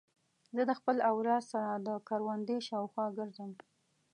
زه د خپل اولاد سره د کوروندې شاوخوا ګرځم.